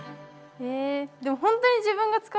え！